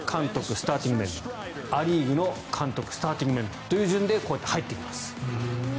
スターティングメンバーア・リーグの監督スターティングメンバーという順番でこうやって入ってきます。